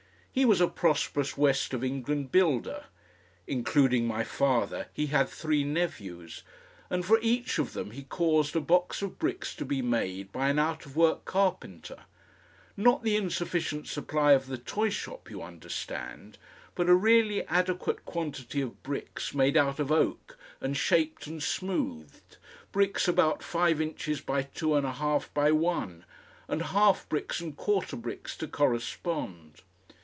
He was a prosperous west of England builder; including my father he had three nephews, and for each of them he caused a box of bricks to be made by an out of work carpenter, not the insufficient supply of the toyshop, you understand, but a really adequate quantity of bricks made out of oak and shaped and smoothed, bricks about five inches by two and a half by one, and half bricks and quarter bricks to correspond.